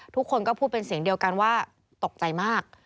ทุกคนก็พูดเป็นเสียงเดียวกันว่าตกใจมาก